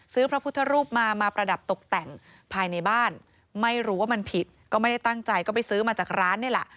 พระพุทธรูปมามาประดับตกแต่งภายในบ้านไม่รู้ว่ามันผิดก็ไม่ได้ตั้งใจก็ไปซื้อมาจากร้านนี่แหละ